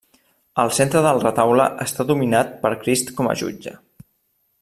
El centre del retaule està dominat per Crist com a jutge.